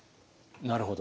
なるほど。